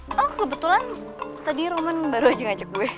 oh kebetulan tadi roman baru aja ngajak gue